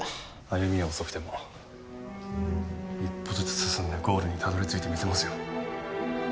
歩みは遅くても一歩ずつ進んでゴールにたどり着いてみせますよ。